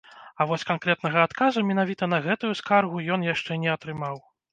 А вось канкрэтнага адказу менавіта на гэтую скаргу ён яшчэ не атрымаў.